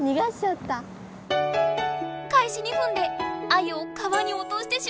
開始２分でアユを川におとしてしまった！